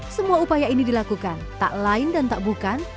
semua upaya ini dilakukan tak lain dan tak bukan